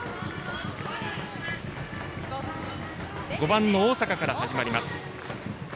５番の大坂から始まります。